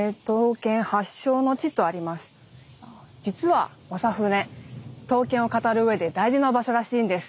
実は長船刀剣を語るうえで大事な場所らしいんです。